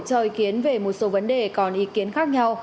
cho ý kiến về một số vấn đề còn ý kiến khác nhau